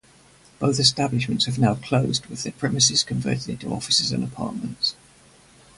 Both establishments have now closed with their premises converted into offices and apartments.